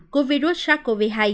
của virus sars cov hai